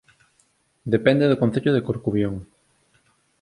Depende do Concello de Corcubión